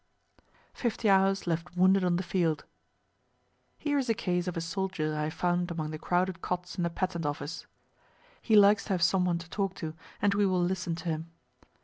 FIFTY HOURS LEFT WOUNDED ON THE FIELD Here is a case of a soldier I found among the crowded cots in the Patent office. He likes to have some one to talk to, and we will listen to him.